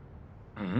うん？